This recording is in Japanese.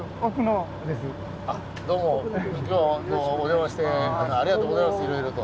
どうも今日はホントお邪魔してありがとうございますいろいろと。